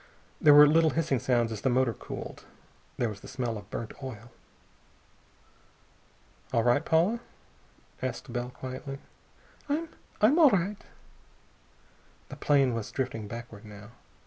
There were little hissing sounds as the motor cooled. There was the smell of burnt oil. "All right, Paula?" asked Bell quietly. "I I'm all right." The plane was drifting backward, now.